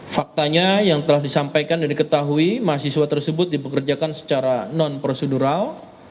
faktanya yang telah disampaikan dan diketahui mahasiswa tersebut dipekerjakan secara non prosedural